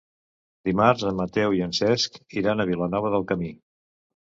Dimarts en Mateu i en Cesc iran a Vilanova del Camí.